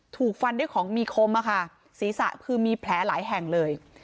ถูกฟันด้วยของมีคมอะค่ะศีรษะคือมีแผลหลายแห่งเลย